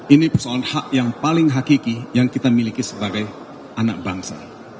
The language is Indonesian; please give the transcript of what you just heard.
ini persoalan hak yang paling hakiki yang kita miliki sebagai anak bangsa